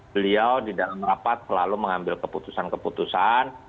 beliau di dalam rapat selalu mengambil keputusan keputusan